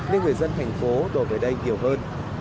nên người dân thành phố đổ về đây nhiều hơn